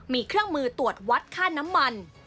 มีเครื่องมือตรวจวัดค่าน้ำมัน